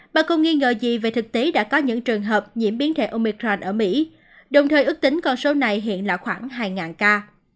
bà con nghi ngờ gì về thực tế đã có những trường hợp nhiễm biến thể omicrand ở mỹ đồng thời ước tính con số này hiện là khoảng hai ca